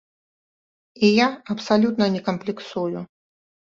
І я абсалютна не камплексую.